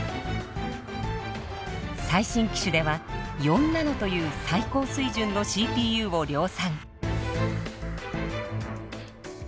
最新機種では４ナノという最高水準のＣＰＵを量産。